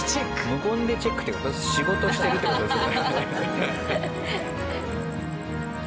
無言でチェックって仕事してるって事ですよね。